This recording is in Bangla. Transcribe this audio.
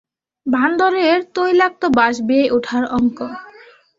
বান্দরের তৈলাক্ত বাঁশ বেয়ে ওঠার অঙ্ক!